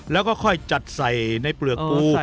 แล้วก็ค่อยจัดใส่ในเปลือกปู